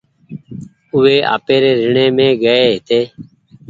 او وي آپيري ريڻي مينٚ گئي هيتي